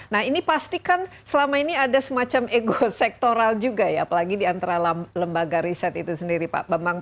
nah ini pasti kan selama ini ada semacam ego sektoral juga ya apalagi diantara lembaga riset itu sendiri pak bambang